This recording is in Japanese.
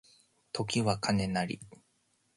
時は金なり